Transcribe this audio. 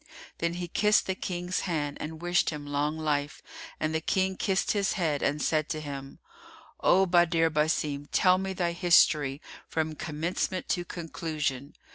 Then he kissed the King's hand and wished him long life, and the King kissed his head and said to him, "O Badr Basim, tell me thy history from commencement to conclusion."